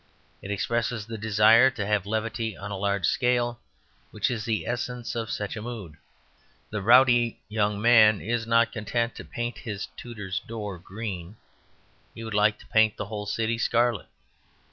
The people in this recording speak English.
It expresses the desire to have levity on a large scale which is the essence of such a mood. The rowdy young man is not content to paint his tutor's door green: he would like to paint the whole city scarlet.